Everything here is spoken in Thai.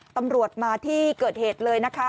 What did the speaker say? ตำรวจมาที่เกิดเหตุเลยนะคะ